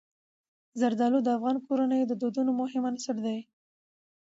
زردالو د افغان کورنیو د دودونو مهم عنصر دی.